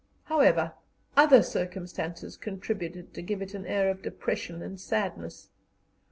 However, other circumstances contributed to give it an air of depression and sadness.